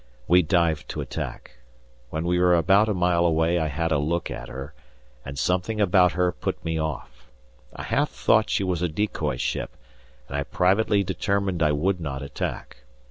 We dived to attack. When we were about a mile away I had a look at her, and something about her put me off. I half thought she was a decoy ship, and I privately determined I would not attack.